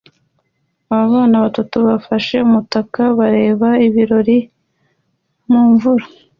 Abana batatu bafashe umutaka bareba ibirori mumvura